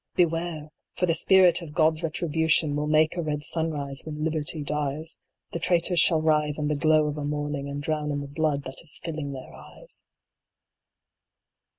Beware ! for the spirit of God s Retribution Will make a red sunrise when Liberty dies ; The Traitors shall writhe in the glow of a morning, And drown in the blood that is filling their eyes